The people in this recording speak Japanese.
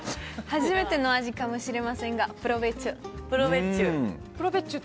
初めての味かもしれませんがプロベッチョ！